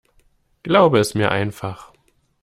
Glaube es mir einfach.